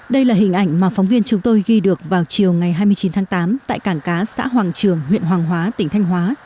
đây là hình ảnh mà phóng viên chúng tôi ghi được vào chiều ngày hai mươi chín tháng tám tại cảng cá xã hoàng trường huyện hoàng hóa tỉnh thanh hóa